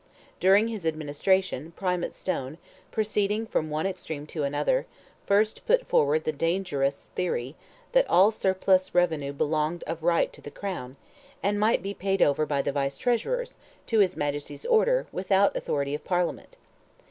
During his administration, Primate Stone, proceeding from one extreme to another, first put forward the dangerous theory, that all surplus revenue belonged of right to the crown, and might be paid over by the Vice Treasurers, to his majesty's order, without authority of Parliament.